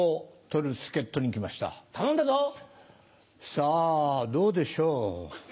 さぁドウでしょう？